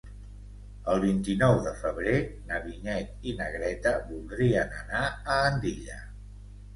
El vint-i-nou de febrer na Vinyet i na Greta voldrien anar a Andilla.